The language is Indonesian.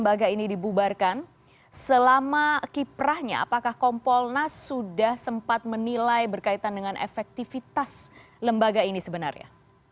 bagaimana tempat menilai berkaitan dengan efektivitas lembaga ini sebenarnya